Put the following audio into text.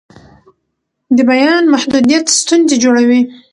د بیان محدودیت ستونزې جوړوي